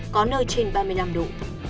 có nơi trên ba mươi năm độ